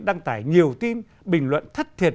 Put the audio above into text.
đăng tải nhiều tin bình luận thất thiệt